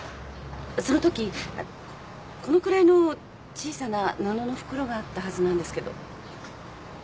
そのときこのくらいの小さな布の袋があったはずなんですけど。